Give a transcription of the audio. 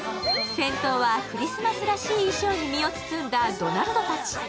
先頭はクリスマスらしい衣装に身を包んだドナルドたち。